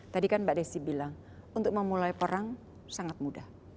tadi kan mbak desi bilang untuk memulai perang sangat mudah